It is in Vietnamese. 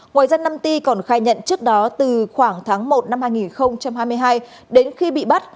ngoài ra năm t còn khai nhận trước đó từ khoảng tháng một năm hai nghìn hai mươi hai đến khi bị bắt